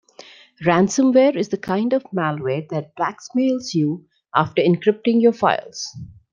Ransomware is the kind of malware that blackmails you after encrypting your files.